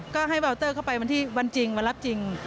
ก็ให้เบาเตอร์เข้าไปวันที่วันจริงวันรับจริง